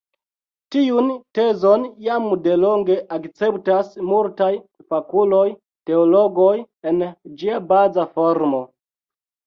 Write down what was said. Tiun tezon jam delonge akceptas multaj fakuloj-teologoj en ĝia baza formo.